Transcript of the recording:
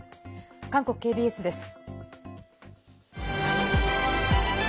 韓国ＫＢＳです。